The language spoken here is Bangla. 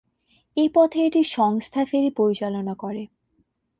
এই পথে এটি সংস্থা ফেরী পরিচালনা করে।